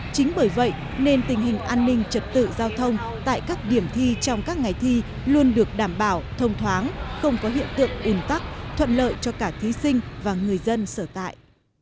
chính bởi vậy nên tình hình an ninh trật tự giao thông tại các điểm thi trong các ngày thi luôn được đảm bảo thông thoáng không có hiện tượng ủn tắc thuận lợi cho cả thí sinh và người dân sở tại